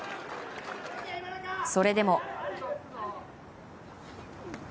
それでも。